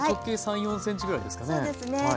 大体直径３４ｃｍぐらいですかね。